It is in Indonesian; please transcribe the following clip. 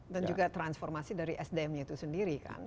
dan juga transformasi dari sdm itu sendiri kan